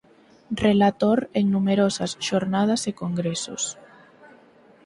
Relator en numerosas xornadas e congresos.